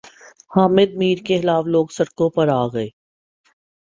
حامد میر کے خلاف لوگ سڑکوں پر آگۓ